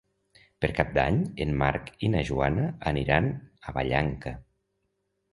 Per Cap d'Any en Marc i na Joana aniran a Vallanca.